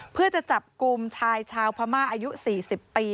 เพื่อจะจับกลุ่มชายชาวพม่าอายุ๔๐ปี